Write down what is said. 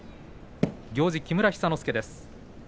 行司木村寿之介です。